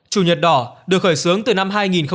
chủ nhật đỏ được khởi xướng từ năm hai nghìn chín